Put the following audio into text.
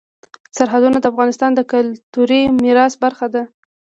سرحدونه د افغانستان د کلتوري میراث برخه ده.